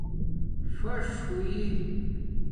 پھݽ ہوئ